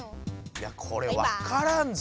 ・いやこれわからんぞ。